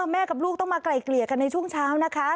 แม่กับลูกต้องมาไกลเกลี่ยกันในช่วงเช้านะคะ